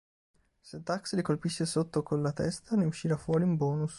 Se Tux li colpisce sotto col la testa ne uscirà fuori un bonus.